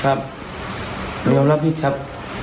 ครับเดี๋ยวนะพี่ครับ